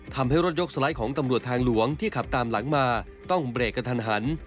ทำให้รถยกสไลด์ของตำรวจทางหลวงที่ขับตามหลังมาต้องเบรกกันทันหัน